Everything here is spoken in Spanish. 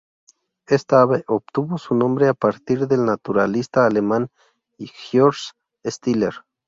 Esta ave obtuvo su nombre a partir del naturalista alemán Georg Steller.